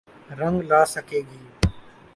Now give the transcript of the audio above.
رنگ لا سکے گی۔